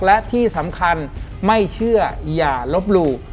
และที่สำคัญไม่เชื่ออย่าลบหลู่